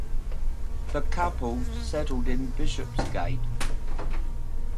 The couple settled in Bishopsgate.